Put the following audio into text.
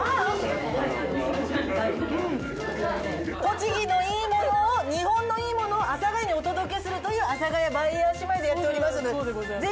栃木のいいものを日本のいいものを阿佐ヶ谷にお届けするという阿佐ヶ谷バイヤー姉妹でやっておりますので。